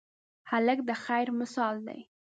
هلک د خیر مثال دی.